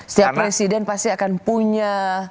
setiap presiden pasti akan punya